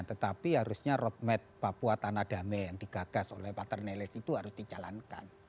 tetapi harusnya roadmap papua tanah damai yang digagas oleh pak ternelis itu harus dicalankan